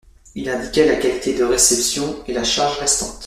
Il indiquait la qualité de réception et la charge restante.